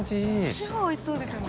超おいしそうですよね。